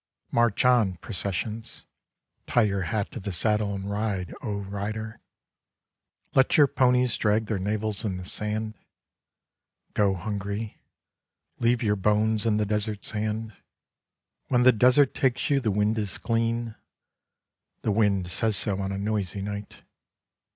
March on, processions. Tie your hat to the saddle and ride, O Rider. Let your ponies drag their navels in the sand. Go hungry; leave your bones in the desert sand. When the desert takes you the wind is clean. The winds say so on a noisy night.